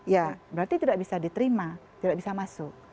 ya berarti tidak bisa diterima tidak bisa masuk